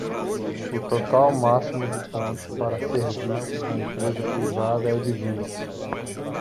O total máximo de pontos para serviços na empresa privada é de vinte.